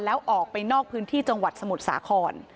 แล้วออกไปนอกพื้นที่จังหวัดสมุทรสาคร